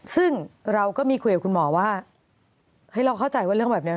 ซึ่งเราก็มีคุยกับคุณหมอว่าเฮ้ยเราเข้าใจว่าเรื่องแบบนี้